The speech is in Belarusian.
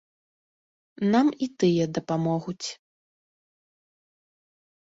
Нам і тыя дапамогуць.